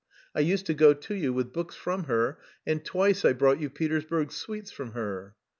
I used to go to you with books from her, and twice I brought you Petersburg sweets from her...."